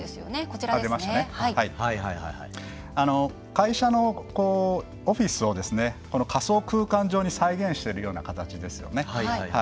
会社のオフィスを仮想空間上に再現しているような形ですよね。